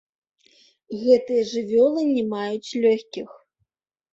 Гэтыя жывёлы не маюць лёгкіх.